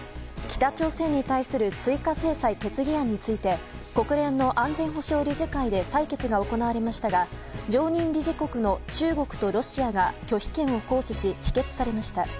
北朝鮮に対する追加制裁決議案について国連の安全保障理事会で採決が行われましたが常任理事国の中国とロシアが拒否権を行使し否決されました。